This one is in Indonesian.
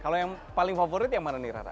kalau yang paling favorit yang mana nih rara